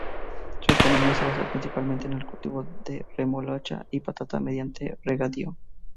Su economía se basa principalmente en el cultivo de remolacha y patata mediante regadío.